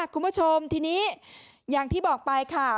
คุณผู้ชมทีนี้อย่างที่บอกไปค่ะ